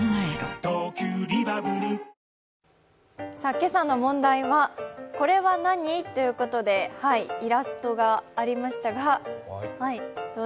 今朝の問題は、これは何？ということでイラストがありました。